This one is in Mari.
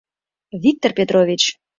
Виктор Петрович!..